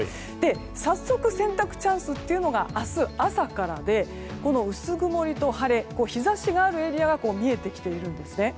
早速、洗濯チャンスというのが明日朝からで薄曇りと晴れ日差しがあるエリアが見えてきているんですね。